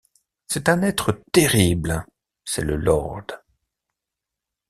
C’est un être terrible, c’est le lord.